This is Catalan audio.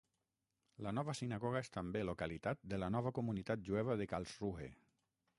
La nova sinagoga és també localitat de la nova comunitat jueva de Karlsruhe.